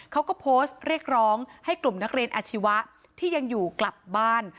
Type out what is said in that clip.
เขาก็โพสต์เรียกร้องให้กลุ่มนักเรียนอาชีวะที่ยังอยู่กลับบ้าน